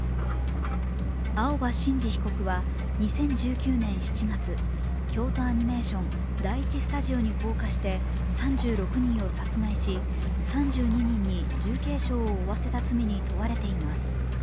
青葉真司被告は２０１９年７月、京都アニメーション第１スタジオに放火して３６人を殺害し、３２人に重軽傷を負わせた罪に問われています。